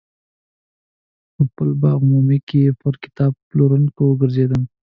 په پل باغ عمومي کې پر کتاب پلورونکو وګرځېدم.